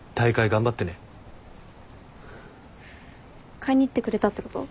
買いに行ってくれたってこと？